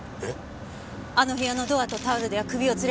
あの部屋のドアとタオルでは首を吊れなかった。